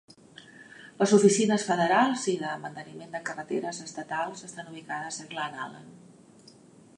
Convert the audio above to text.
Les oficines federals i de manteniment de carreteres estatals estan ubicades a Glennallen.